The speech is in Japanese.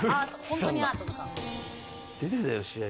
出てたよ試合